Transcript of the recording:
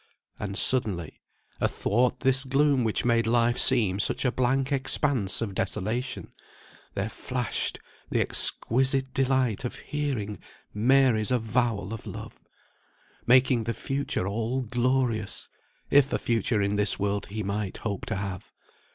And suddenly, athwart this gloom which made life seem such a blank expanse of desolation, there flashed the exquisite delight of hearing Mary's avowal of love, making the future all glorious, if a future in this world he might hope to have.